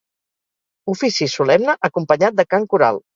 Ofici solemne acompanyat de cant coral.